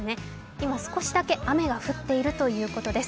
今少しだけ雨が降っているということです。